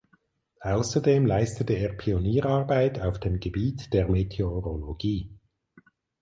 Außerdem leistete er Pionierarbeit auf dem Gebiet der Meteorologie.